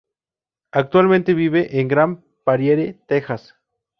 Actualmente vive en Grand Prairie, Texas.